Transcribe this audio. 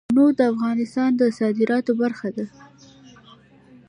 تنوع د افغانستان د صادراتو برخه ده.